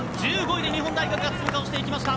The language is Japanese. １５位で日本大学が通過していきました。